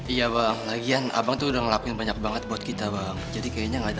ya bang lagian abang tuh udah ngelakuin banyak banget buat kita bang jadi kayaknya nggak ada